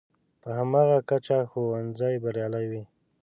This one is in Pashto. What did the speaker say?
په هماغه کچه ښوونځی بریالی وي.